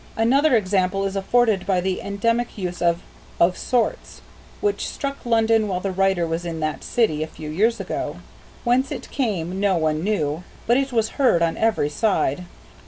Another example is afforded by the endemic use of "of sorts" which struck London while the writer was in that city a few years ago. Whence it came no one knew, but it was heard on every side.